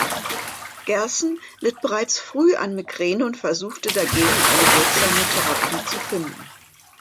Gerson litt bereits früh an Migräne und versuchte, dagegen eine wirksame Therapie zu finden.